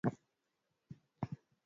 Leo atatandika kitanda chake mwenyewe